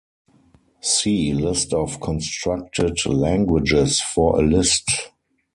See list of constructed languages for a list.